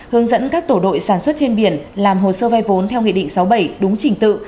hướng dẫn các tổ đội sản xuất trên biển làm hồ sơ vay vốn theo nghị định sáu mươi bảy đúng trình tự